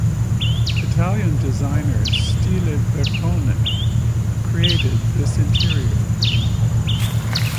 Italian designer Stile Bertone created this interior.